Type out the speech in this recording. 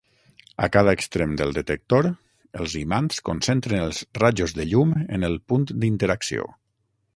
A cada extrem del detector, els imants concentren els rajos de llum en el punt d'interacció.